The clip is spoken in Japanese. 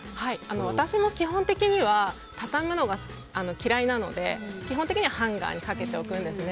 私も基本的には畳むのが嫌いなので、基本的にはハンガーにかけておくんですね。